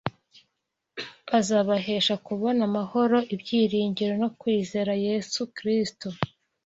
azabahesha kubona amahoro, ibyiringiro, no kwizera Yesu Kristo.